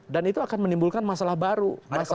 dan itu akan menimbulkan masalah baru